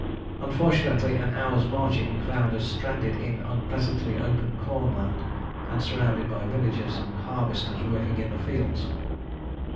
Unfortunately an hour's marching found us stranded in unpleasantly open cornland and surrounded by villages and harvesters working in the fields.